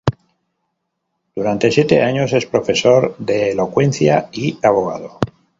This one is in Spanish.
Durante siete años, es profesor de elocuencia y abogado.